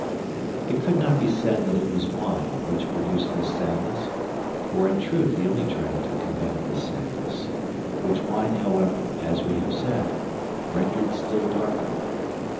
It could not be said that it was wine which produced this sadness; for in truth he only drank to combat this sadness, which wine however, as we have said, rendered still darker.